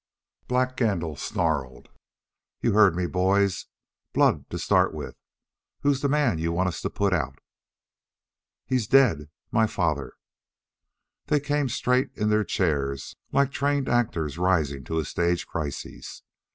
Black Gandil snarled: "You heard me, boys; blood to start with. Who's the man you want us to put out?" "He's dead my father." They came up straight in their chairs like trained actors rising to a stage crisis.